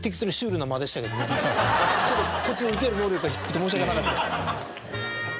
ちょっとこっちの受ける能力が低くて申し訳なかった。